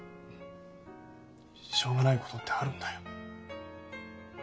しょうがないことってあるんだよ。